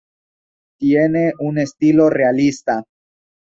Tiene un estilo realista.